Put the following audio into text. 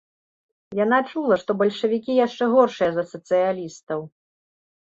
Яна чула, што бальшавікі яшчэ горшыя за сацыялістаў.